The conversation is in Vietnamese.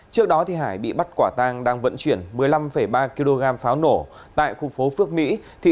trước đó hải bị bắt quả tang đang vận chuyển một mươi năm ba kg pháo nổ tại khu phố phước mỹ